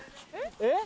えっ？